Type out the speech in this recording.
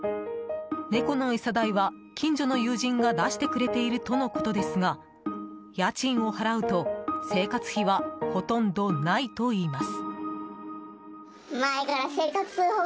猫の餌代は近所の友人が出してくれているとのことですが家賃を払うと生活費はほとんどないといいます。